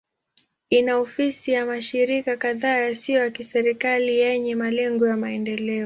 Ina ofisi za mashirika kadhaa yasiyo ya kiserikali yenye malengo ya maendeleo.